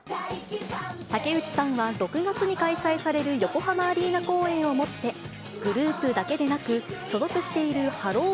竹内さんは、６月に開催される横浜アリーナ公演をもって、グループだけでなく、所属しているハロー！